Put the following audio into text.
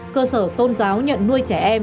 cơ sở tôn giáo nhận nuôi trẻ em